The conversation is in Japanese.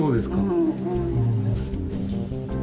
うん。